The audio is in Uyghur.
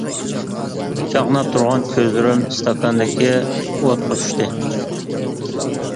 چاقناپ تۇرغان كۆزلىرىم ئىستاكاندىكى ئوتقا چۈشتى.